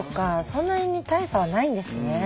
そんなに大差はないんですね。